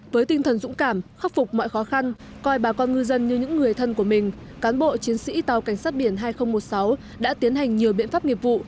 với tinh thần dũng cảm khắc phục mọi khó khăn coi bà con ngư dân như những người thân của mình cán bộ chiến sĩ tàu cảnh sát biển hai nghìn một mươi sáu đã tiến hành nhiều biện pháp nghiệp vụ